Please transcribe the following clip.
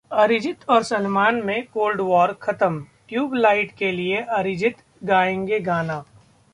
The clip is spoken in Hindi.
अरिजीत और सलमान में कोल्ड वॉर खत्म, 'ट्यूबलाइट' के लिए अरिजीत गाएंगे गाना